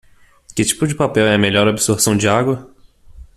Que tipo de papel é a melhor absorção de água?